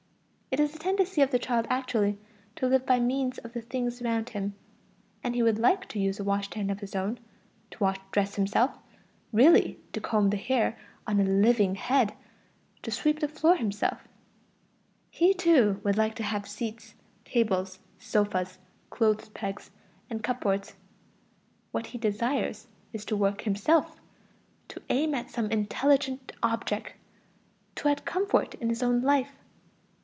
It is the tendency of the child actually to live by means of the things around him; he would like to use a washstand of his own, to dress himself, really to comb the hair on a living head, to sweep the floor himself; he too would like to have seats, tables, sofas, clothes pegs, and cupboards. What he desires is to work himself, to aim at some intelligent object, to have comfort in his own life.